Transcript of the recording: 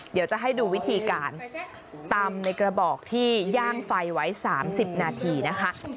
เดี๋ยวจะให้ดูวิธีการตำในกระบอกที่ย่างไฟไว้๓๐นาทีนะคะ